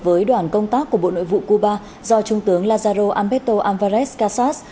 với đoàn công tác của bộ nội vụ cuba do trung tướng lazaro alberto álvarez casas